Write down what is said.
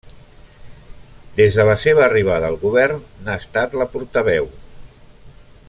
Des de la seva arribada al govern, n'ha estat la portaveu.